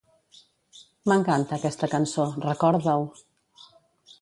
M'encanta aquesta cançó, recorda-ho.